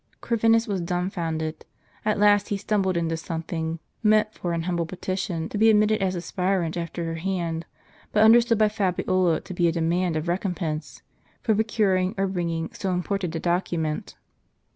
Corvinus was dumb foundered: at last he stumbled into something, meant for an humble petition to be admitted as an aspirant after her hand, but understood by Fabiola to be a demand of recompense, for procuring or bringing so important a document.